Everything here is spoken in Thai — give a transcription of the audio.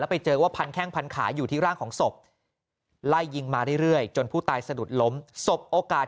แล้วไปเจอว่าพันแข้งพันขายอยู่ที่ร่างของศพ